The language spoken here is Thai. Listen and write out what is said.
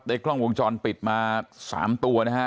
แต๊กคล่องวงจรปิดมา๓ตัวนะฮะ